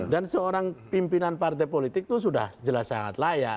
seorang pimpinan partai politik itu sudah jelas sangat layak